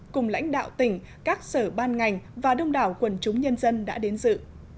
cùng lãnh đạo tỉnh các sở ban ngành và đông đảo quần chúng nhân dân đã đến dự